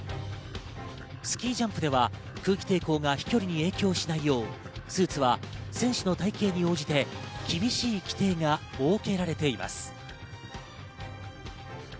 スキージャンプでは空気抵抗が飛距離に影響しないようスーツは選手の体型に応じて厳しい規定が設けられています。